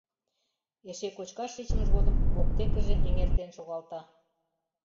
Эше кочкаш шичмыж годым воктекыже эҥертен шогалта.